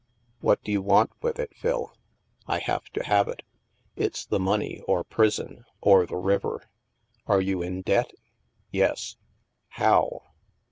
What do you want with it, Phil ?" I have to have it. It's the money, or prison, or the river." " Are you in debt ?"" Yes." "How?"